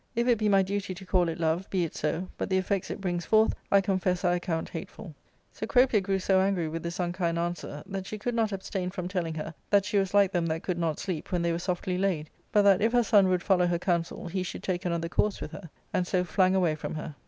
If it be my duty to call it love, be it so ; but the effects it brings forth I confess I account hateful." Cccropia grew so angry with this unkind answer that she could not abstain from telling her that she was hke them that could not sleep when they were softly laid ; but that, if her son would follow her counsel, he should take another course with her, and so flang* away from her.